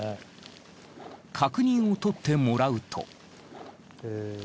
確認をとってもらうと。